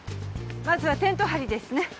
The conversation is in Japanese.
まずはテント張りですね。